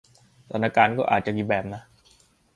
สถานการณ์ก็อาจจะอีกแบบนะ